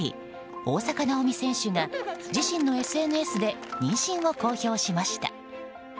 大坂なおみ選手が自身のＳＮＳで妊娠を公表しました。